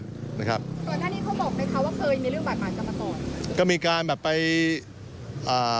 ก่อนหน้านี้เขาบอกไหมคะว่าเคยมีเรื่องบาดหมาดกันมาก่อนก็มีการแบบไปอ่า